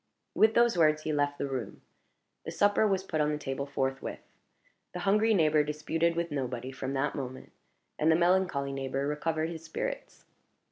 With those words he left the room. The supper was put on the table forthwith. The hungry neighbor disputed with nobody from that moment, and the melancholy neighbor recovered his spirits.